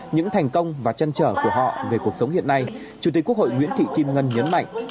những thành công và trăn trở của họ về cuộc sống hiện nay chủ tịch quốc hội nguyễn thị kim ngân nhấn mạnh